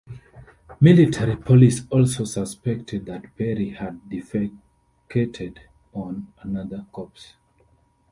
Military police also suspected that Perry had defecated on another corpse.